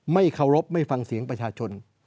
ไม่เคารพไม่ฟังเสียงประชาชน